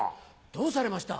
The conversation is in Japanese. どうされました？